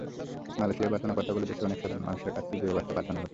মালয়েশিয়ায় পাঠানোর কথা বলে দেশের অনেক সাধারণ মানুষের কাছে ভুয়া বার্তা পাঠানো হচ্ছে।